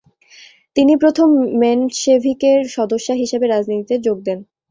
তিনি প্রথম মেনশেভিকের সদস্যা হিসাবে রাজনীতিতে যোগ দেন।